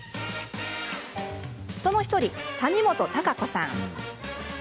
その１人、谷本貴子さん。